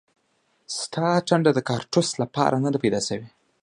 ستا ټنډه د کاړتوس لپاره نه ده پیدا شوې